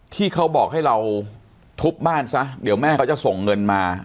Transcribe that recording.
ที่เขาบอกให้เราทุบบ้านซะเดี๋ยวแม่เขาจะส่งเงินมา